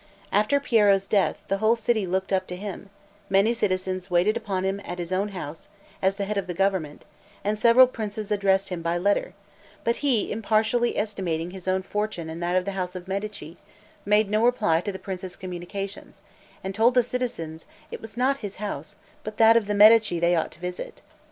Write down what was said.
After Piero's death, the whole city looked up to him; many citizens waited upon him at his own house, as the head of the government, and several princes addressed him by letter; but he, impartially estimating his own fortune and that of the house of Medici, made no reply to the princes' communications, and told the citizens, it was not his house, but that of the Medici they ought to visit.